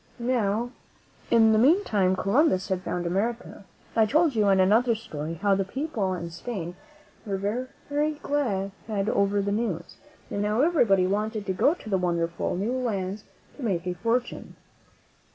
Now, in the meantime, Columbus had found America. I told you, in another story, how the people in Spain were very glad over the news, and how everybody wanted to go to the wonder ful new lands to make a fortune.